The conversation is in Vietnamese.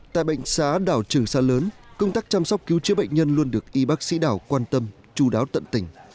tại bệnh xá đảo trường sa lớn công tác chăm sóc cứu chữa bệnh nhân luôn được y bác sĩ đảo quan tâm chú đáo tận tình